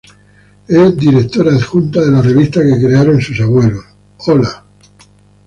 Es directora adjunta de la revista que crearon sus abuelos: ¡Hola!